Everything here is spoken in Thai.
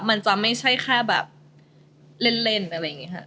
มันจะไม่ใช่แค่แบบเล่นอะไรอย่างนี้ค่ะ